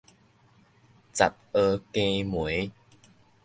雜爊羹糜